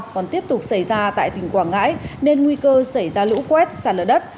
còn tiếp tục xảy ra tại tỉnh quảng ngãi nên nguy cơ xảy ra lũ quét sạt lở đất